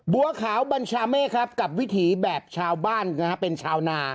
บัวขาวบัญชาเมฆครับกับวิถีแบบชาวบ้านนะฮะเป็นชาวนา